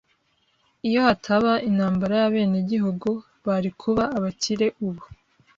Iyo hataba intambara y'abenegihugu, bari kuba abakire ubu.